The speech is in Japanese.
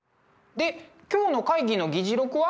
で今日の会議の議事録は？